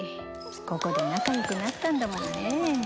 ここで仲良くなったんだもんね。